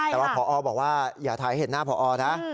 แต่ว่าพอบอกว่าอย่าถ่ายเห็นหน้าพอนะ